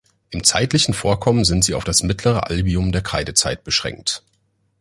Im zeitlichen Vorkommen sind sie auf das Mittlere Albium der Kreidezeit beschränkt.